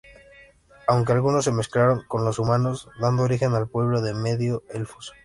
Aunque algunos se mezclaron con los humanos dando origen al pueblo de los Medio-Elfos.